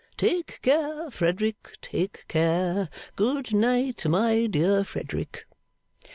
Take care, Frederick, take care. Good night, my dear Frederick!